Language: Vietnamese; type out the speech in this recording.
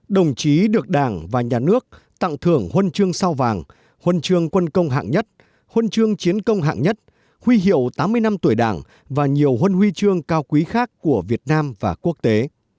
đồng chí được đảng và nhà nước tặng thưởng huân chương sao vàng huân chương quân công hạng nhất huân chương chiến công hạng nhất huy hiệu tám mươi năm tuổi đảng và nhiều huân huy chương cao quý khác của việt nam và quốc tế